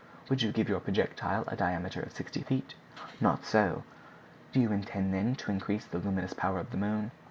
"Would you give your projectile a diameter of sixty feet?" "Not so." "Do you intend, then, to increase the luminous power of the moon?"